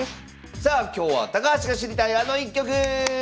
さあ今日は「高橋が知りたいあの一局」！